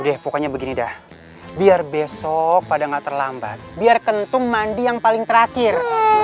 deh pokoknya begini dah biar besok pada nggak terlambat biar kentung mandi yang paling terakhir